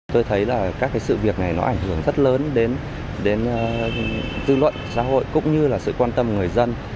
tôi thấy các sự việc này ảnh hưởng rất lớn đến dư luận xã hội cũng như sự quan tâm người dân